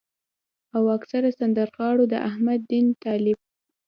او اکثره سندرغاړو د احمد دين طالب